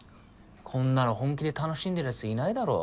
こんなの本気で楽しんでる奴いないだろ。